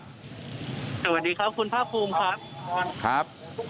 เหลือเพียงกลุ่มเจ้าหน้าที่ตอนนี้ได้ทำการแตกกลุ่มออกมาแล้วนะครับ